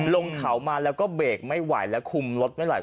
ลงเขามาแล้วก็เบรกไม่ไหวแล้วคุมรถไม่ไห